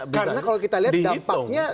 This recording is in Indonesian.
karena kalau kita lihat dampaknya